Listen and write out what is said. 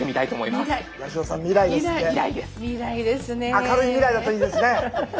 明るい未来だといいですね。